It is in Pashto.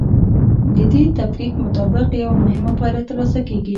د دې تفکیک مطابق یوه مهمه پایله ترلاسه کیږي.